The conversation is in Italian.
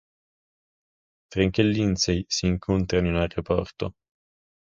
Frank e Lindsay si incontrano in aeroporto.